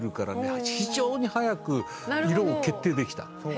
非常に早く色を決定できた。